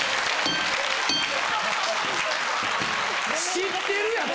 知ってるやん！